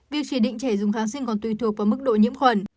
việc chỉ định trẻ dùng kháng sinh còn tùy thuộc vào mức độ nhiễm khuẩn